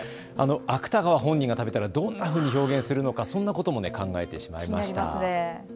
芥川本人が食べたらどんなふうに表現するのか、そんなことも考えてしまいました。